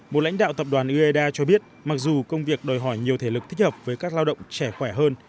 một lãnh đạo tập đoàn ueda cho biết mặc dù công việc đòi hỏi nhiều thể lực thích hợp với các lao động trẻ khỏe hơn